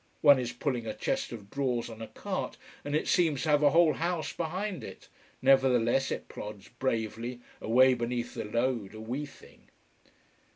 One is pulling a chest of drawers on a cart, and it seems to have a whole house behind it. Nevertheless it plods bravely, away beneath the load, a wee thing.